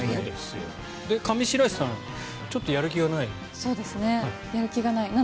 上白石さんはちょっとやる気がないの？